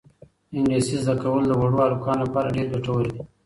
انګلیسي زده کول د وړو هلکانو لپاره ډېر ګټور دي.